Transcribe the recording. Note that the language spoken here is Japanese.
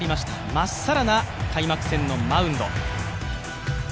まっさらな開幕戦のマウンド。